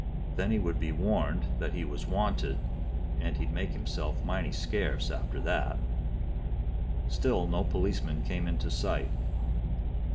Then he would be warned that he was wanted, and he'd make himself mighty scarce after that." Still no policeman came into sight.